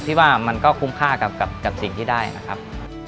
ที่ว่ามันก็คุ้มค่ากับสิ่งที่ได้นะครับ